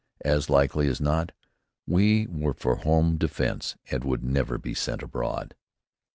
As likely as not we were for home defense and would never be sent abroad.